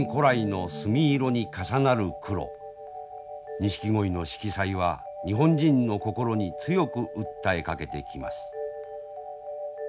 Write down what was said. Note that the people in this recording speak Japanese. ニシキゴイの色彩は日本人の心に強く訴えかけてきます。